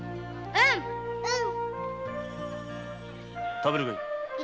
食べるがよい。